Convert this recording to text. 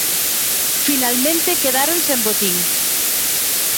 Finalmente quedaron sen botín.